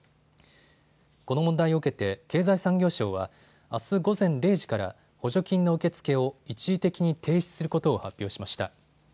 この問題を受けて経済産業省はあす午前０時から補助金の受け付けを一時的に停止することを発表しました。